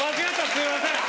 すいません！